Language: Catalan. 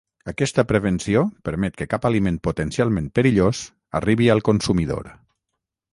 Aquesta prevenció permet que cap aliment potencialment perillós arribi al consumidor.